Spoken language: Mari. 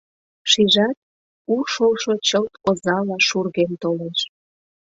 Шижат, у шошо чылт озала Шурген толеш.